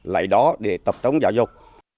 lại đó để tập trống giáo dục